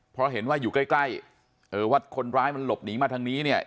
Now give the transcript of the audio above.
เพราะเห็นว่าอยู่ใกล้ใกล้เออว่าคนร้ายมันหลบหนีมาทางนี้เนี่ย